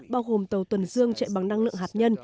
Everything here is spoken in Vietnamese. bao gồm tàu tuần dương chạy bằng năng lượng hạt nhân